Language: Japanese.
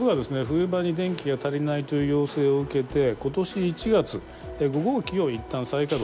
冬場に電気が足りないという要請を受けて今年１月５号機を一旦再稼働しました。